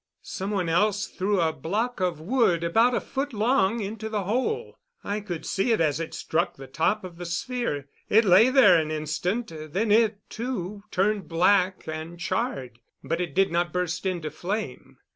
Some one else threw a block of wood about a foot long into the hole. I could see it as it struck the top of the sphere. It lay there an instant; then it, too, turned black and charred, but it did not burst into flame.